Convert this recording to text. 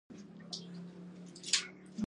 ما وویل ډېر عالي.